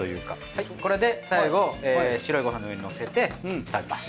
はいこれで最後白いごはんの上にのせて食べます。